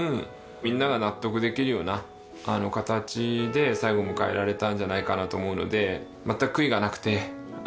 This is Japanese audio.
みんなが納得できるような形で最期を迎えられたんじゃないかなと思うので。